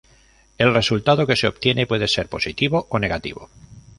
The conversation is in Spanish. El resultado que se obtiene puede ser positivo o negativo.